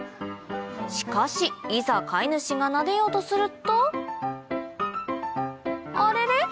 しかしいざ飼い主がなでようとするとあれれ？